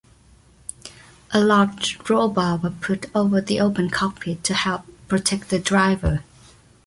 A large rollbar was put over the open cockpit to help protect the driver.